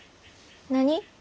何？